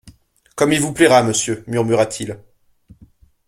Comme il vous plaira, monsieur, murmura-t-il.